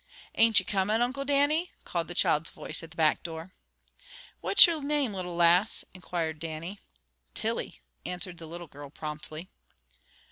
"Ain't you comin', Uncle Dannie?" called the child's voice at the back door. "What's your name, little lass?" inquired Dannie. "Tilly," answered the little girl promptly.